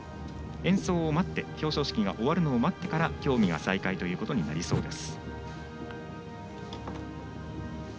演奏を待って表彰式が終わるのを待ってから競技が再開となりそうです。